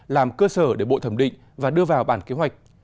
làm cơ sở để bộ thẩm định và đưa vào bản kế hoạch